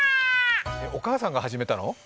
え、お母さんが始めたの？